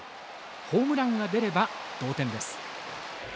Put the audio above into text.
ホームランが出れば同点です。